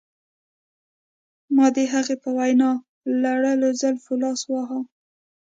ما د هغې په وینو لړلو زلفو لاس واهه